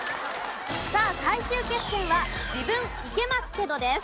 さあ最終決戦は「自分イケますけど！」です。